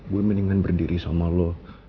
gue mendingan berdiri sama lo